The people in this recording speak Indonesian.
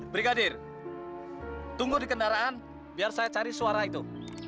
brigadir tunggu di kendaraan biar saya cari suara itu